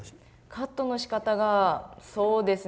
カットのしかたがそうですね。